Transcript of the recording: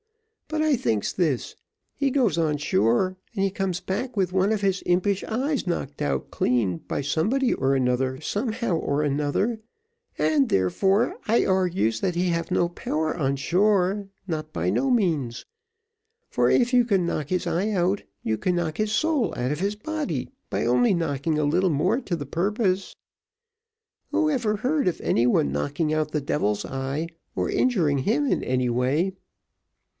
But I thinks this: he goes on shore and he comes back with one of his impish eyes knocked out clean by somebody or another somehow or another, and, therefore, I argues that he have no power on shore not by no means; for if you can knock his eye out, you can knock his soul out of his body, by only knocking a little more to the purpose. Who ever heard of any one knocking out the devil's eye, or injuring him in any way?